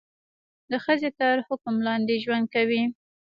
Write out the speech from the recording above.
د ښځې تر حکم لاندې ژوند کوي.